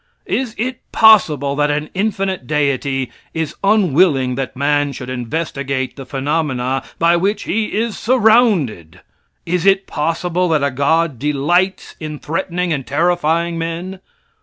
Is it possible that an infinite Deity is unwilling that man should investigate the phenomena by which he is surrounded? Is it possible that a God delights in threatening and terrifying men?